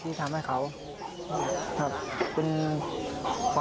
ดีใจออกครับที่ทำให้เขา